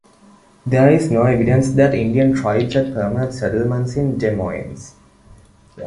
There is no evidence that Indian tribes had permanent settlements in Des Moines.